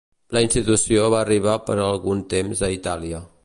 La institució va arribar per algun temps a Itàlia.